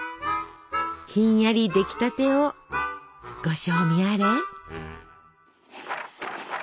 ひんやり出来たてをご賞味あれ！